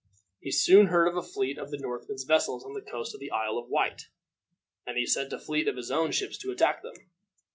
He soon heard of a fleet of the Northmen's vessels on the coast of the Isle of Wight, and he sent a fleet of his own ships to attack them.